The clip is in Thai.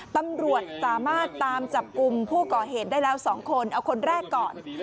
ตำรวจสามารถตามจับกลุ่มผู้ก่อเหตุได้แล้ว๒คนเอาคนแรกก่อน